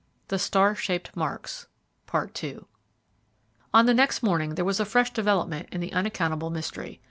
This was at the end of the first week. On the next morning there was a fresh development in the unaccountable mystery.